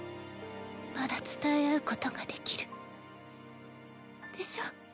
まだ伝え合うことができる。でしょ？